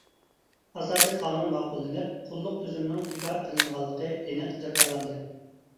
ئاساسىي قانۇن ماقۇللىنىپ قۇللۇق تۈزۈمنىڭ بىكار قىلىنغانلىقى ئېنىق جاكارلاندى.